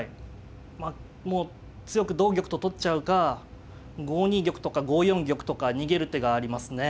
まあもう強く同玉と取っちゃうか５二玉とか５四玉とか逃げる手がありますね。